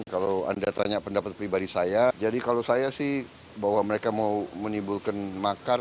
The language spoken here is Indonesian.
kalau anda tanya pendapat pribadi saya jadi kalau saya sih bahwa mereka mau menimbulkan makar